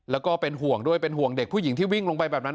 แล้วก็เป็นห่วงด้วยเป็นห่วงเด็กผู้หญิงที่วิ่งลงไปแบบนั้น